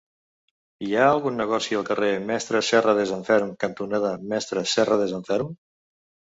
Hi ha algun negoci al carrer Mestre Serradesanferm cantonada Mestre Serradesanferm?